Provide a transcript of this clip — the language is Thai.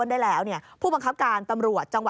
ใช่ครับ